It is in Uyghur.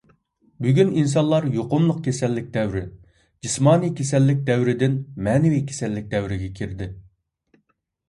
بۈگۈن ئىنسانلار يۇقۇملۇق كېسەللىك دەۋرى، جىسمانىي كېسەللىك دەۋرىدىن مەنىۋى كېسەللىك دەۋرىگە كىردى.